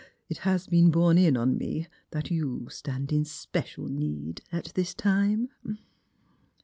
It has been borne in on me that you stand in special need at this time."